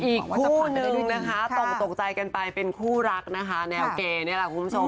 สักพักนึงนะคะตกตกใจกันไปเป็นคู่รักนะคะแนวเกย์นี่แหละคุณผู้ชม